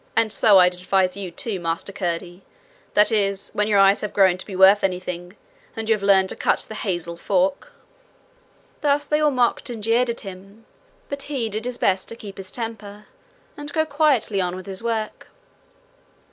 And so I'd advise you too, Master Curdie; that is, when your eyes have grown to be worth anything, and you have learned to cut the hazel fork.' Thus they all mocked and jeered at him, but he did his best to keep his temper and go quietly on with his work.